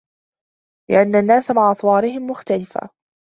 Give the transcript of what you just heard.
لِأَنَّ النَّاسَ مَعَ أَطْوَارِهِمْ الْمُخْتَلِفَةِ